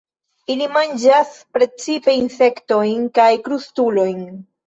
Ili manĝas precipe insektojn kaj krustulojn.